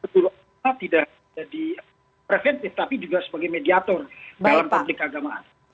tidak jadi preventif tapi juga sebagai mediator dalam publik keagamaan